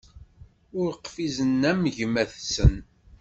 Ur qfizen am gma-tsen.